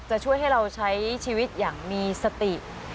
จะช่วยให้เราใช้ชีวิตอย่างมีสติ